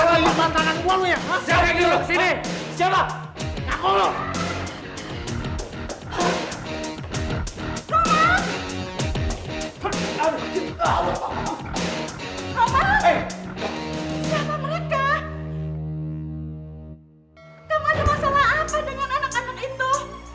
kamu ada masalah apa dengan anak anak itu